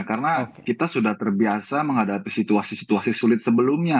karena kita sudah terbiasa menghadapi situasi situasi sulit sebelumnya